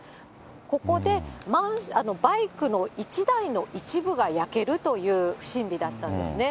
ここで、バイクの１台の一部が焼けるという不審火だったんですね。